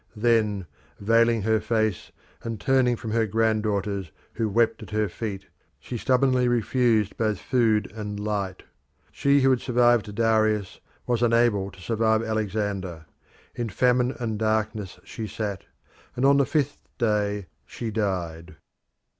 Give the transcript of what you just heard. Then, veiling her face and turning from her grand daughters, who wept at her feet, she stubbornly refused both food and light. She who had survived Darius was unable to survive Alexander. In famine and darkness she sat, and on the fifth day she died.